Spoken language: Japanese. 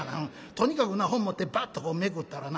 「とにかくな本持ってバッとめくったらな